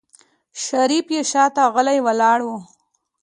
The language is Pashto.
شريف يې شاته غلی ولاړ و.